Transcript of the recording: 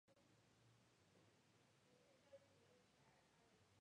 Las superiores son bastante más pequeñas.